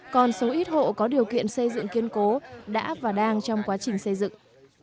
còn số ít hộ có điều kiện xây dựng kiên cố đã và đang trong quá trình xây dựng